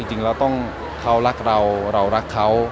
จริงแล้วต้องเขารักเราเรารักเขา